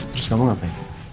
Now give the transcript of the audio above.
terus kamu ngapain